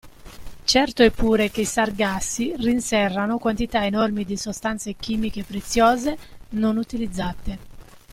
Certo è pure che i sargassi rinserrano quantità enormi di sostanze chimiche preziose non utilizzate.